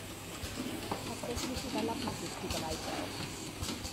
Tatsächlich überlappen sich die Bereiche auch.